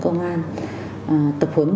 công an tập huấn